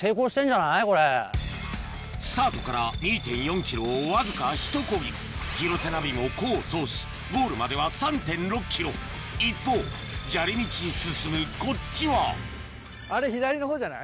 スタートから２．４ｋｍをわずか１コギ広瀬ナビも功を奏しゴールまでは３．６ｋｍ一方砂利道進むこっちはあれ左のほうじゃない？